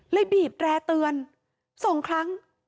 บีบแร่เตือน๒ครั้ง